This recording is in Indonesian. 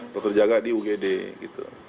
terjaga di ugd gitu